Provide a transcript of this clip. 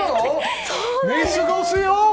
寝過ごすよ！